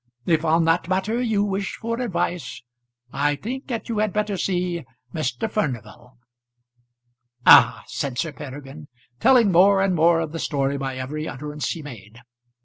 If on that matter you wish for advice, I think that you had better see Mr. Furnival." "Ah!" said Sir Peregrine, telling more and more of the story by every utterance he made.